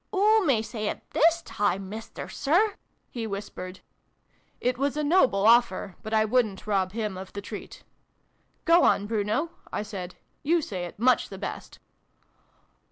" Oo may say it, this time, Mister Sir !" he whis pered. It was a noble offer, but I wouldn't rob him of the treat. "Go on, Bruno," I said, "you say it much the best."